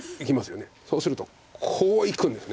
そうするとこういくんです。